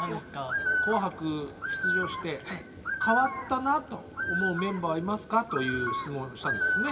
「紅白」出場して変わったなと思うメンバーいますか？という質問をしたんですね。